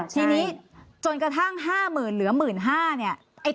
ทีนี้จนกระทั่งห้าหมื่นเหลือหมื่นห้าเนี่ย